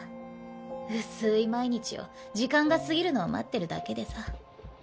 薄い毎日を時間が過ぎるのを待ってるだけでさ。